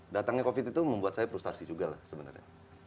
datangnya covid itu membuat saya frustasi juga lah sebenarnya